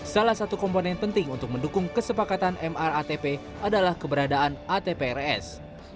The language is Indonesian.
salah satu komponen penting untuk mendukung kesepakatan mratp adalah keberadaan atprs